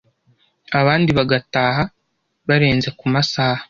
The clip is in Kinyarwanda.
abandi bagataha barenze ku masaha